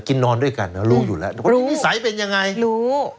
กินนอนด้วยกันนะรู้อยู่แล้วรู้นิสัยเป็นยังไงรู้